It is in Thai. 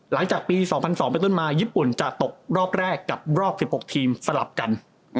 หลังจากปี๒๐๐๒ไปต้นมาญี่ปุ่นจะตกรอบแรกกับรอบ๑๖ทีมสลับกัน